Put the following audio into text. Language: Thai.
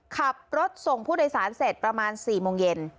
ขับรถส่งผู้โดยสารเสร็จประมาณ๔โมงเย็น